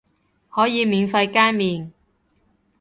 可以免費加麵